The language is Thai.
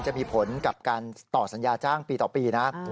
จะมีผลกับการต่อสัญญาจ้างปีต่อปีนะ